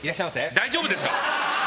大丈夫ですか？